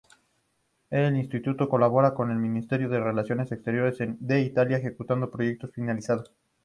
El Instituto colabora con el "Ministerio de relaciones exteriores" de Italia, ejecutando proyectos finalizados.